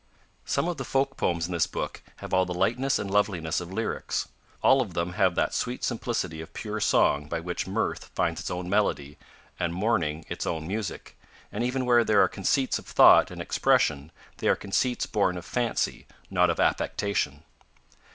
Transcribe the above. Some of the Folk poems in this book have all the lightness and loveliness of lyrics, all of them have that sweet simplicity of pure song by which mirth finds its own melody and mourning its own music, and even where there are conceits of thought and expression they are conceits born of fancy not of affectation.